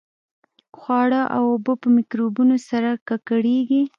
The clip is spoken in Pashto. خواړه او اوبه په میکروبونو سره ککړېږي.